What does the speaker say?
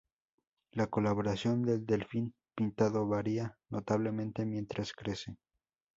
La coloración del delfín pintado varía notablemente mientras crece.